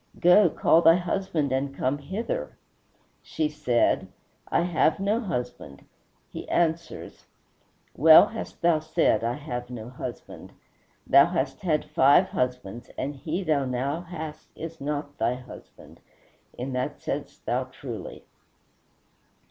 "Go, call thy husband and come hither." She said, "I have no husband." He answers, "Well hast thou said I have no husband; thou hast had five husbands, and he thou now hast is not thy husband; in that saidst thou truly."